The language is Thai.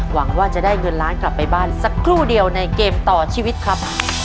หวังว่าจะได้เงินล้านกลับไปบ้านสักครู่เดียวในเกมต่อชีวิตครับ